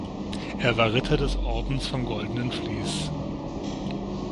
Er war Ritter des Ordens vom Goldenen Vlies.